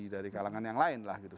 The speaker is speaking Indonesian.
dari kalangan yang lain lah gitu